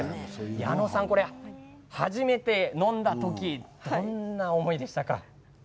矢野さん、初めて飲んだ時どんな思いでしたか。